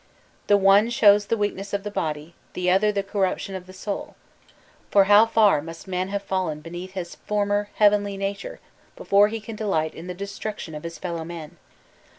The one shows the weakness of the body, the other, the corruption of the soul. For, how far must man have fallen beneath his former heavenly nature before he can delight in the destruction of his fellow men!